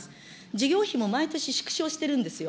事業費も毎年縮小してるんですよ。